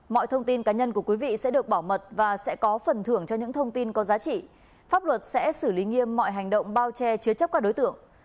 mọi thông tin cá nhân của quý vị sẽ được bảo mật và sẽ có phần thưởng cho những thông tin có giá trị pháp luật sẽ xử lý nghiêm mọi hành động bao che chứa chấp các đối tượng